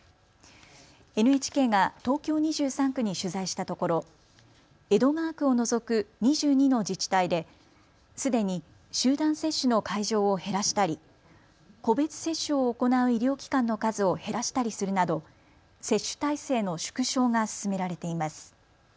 ＮＨＫが東京２３区に取材したところ江戸川区を除く２２の自治体ですでに集団接種の会場を減らしたり、個別接種を行う医療機関の数を減らしたりするなど接種体制の縮小が進められています。